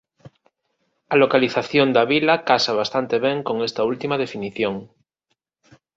A localización da vila casa bastante ben con esta última definición.